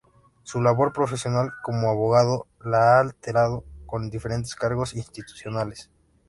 Su labor profesional como abogado la ha alternado con diferentes cargos institucionales.